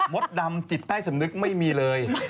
มดดำจิตใต้สำนึกไม่มีเลย